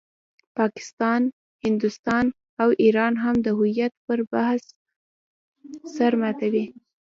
پاکستان، هندوستان او ایران هم د هویت پر بحث سر ماتوي.